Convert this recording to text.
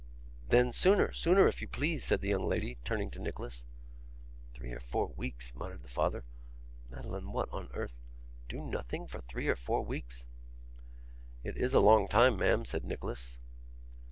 'Then sooner, sooner, if you please,' said the young lady, turning to Nicholas. 'Three or four weeks!' muttered the father. 'Madeline, what on earth do nothing for three or four weeks!' 'It is a long time, ma'am,' said Nicholas.